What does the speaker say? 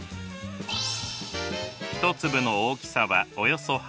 １粒の大きさはおよそ８ミリ。